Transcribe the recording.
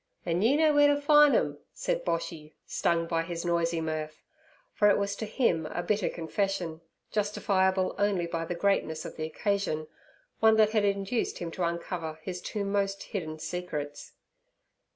'An' you know w'eere to find 'em!' said Boshy, stung by his noisy mirth; for it was to him a bitter confession, justifiable only by the greatness of the occasion—one that had induced him to uncover his two most hidden secrets.